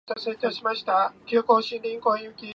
The programs were scored by John Williams.